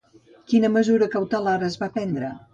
Quina mesura cautelar es va prendre?